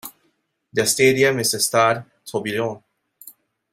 Their stadium is the Stade Tourbillon.